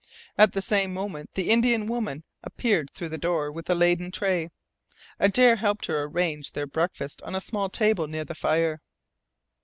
At the same moment the Indian woman appeared through the door with a laden tray. Adare helped her arrange their breakfast on a small table near the fire.